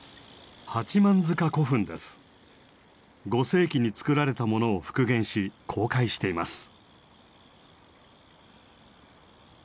５世紀に作られたものを復元し公開しています。